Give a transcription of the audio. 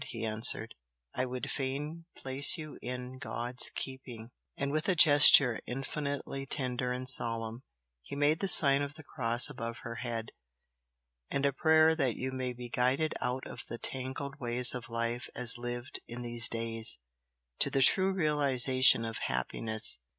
he answered "I would fain place you in God's keeping," and with a gesture infinitely tender and solemn, he made the sign of the cross above her head "with a prayer that you may be guided out of the tangled ways of life as lived in these days, to the true realisation of happiness!"